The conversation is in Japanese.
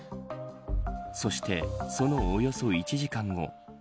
そして、そのおよそ１時間後。